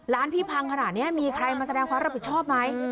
ร้านพี่พังขนาดนี้มีใครมาแสดงความรับผิดชอบไหม